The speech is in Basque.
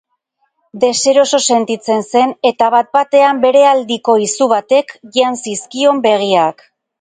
Deseroso sentitzen zen, eta bat-batean berealdiko izu batek jan zizkion begiak.